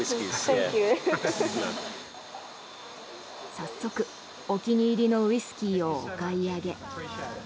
早速、お気に入りのウイスキーをお買い上げ。